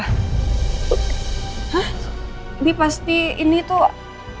hah ini pasti ini tuh